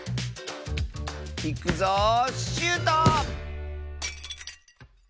いくぞシュート！